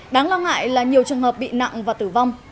đáng lo ngại là nhiều trường hợp bị nặng và tử vong